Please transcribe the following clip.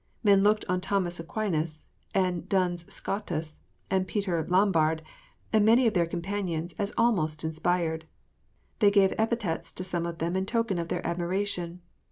Men looked on Thomas Aquinas, and Duns Scotus, and Peter Lombard, and many of their companions, as almost inspired. They gave epithets to some of them in token of their admiration.